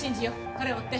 彼を追って。